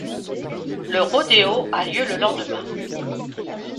Le rodéo a lieu le lendemain.